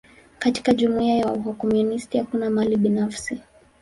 Katika jumuia ya wakomunisti, hakuna mali binafsi.